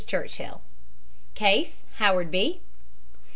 CHURCHILL. CASE, HOWARD B.